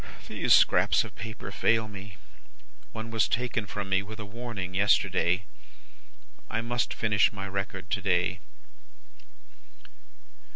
"These scraps of paper fail me. One was taken from me, with a warning, yesterday. I must finish my record to day.